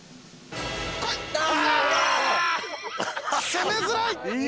責めづらい！